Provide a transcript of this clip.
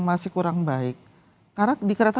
masih kurang baik karena di kereta